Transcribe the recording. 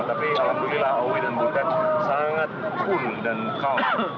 tapi alhamdulillah owi dan butet sangat cool dan calm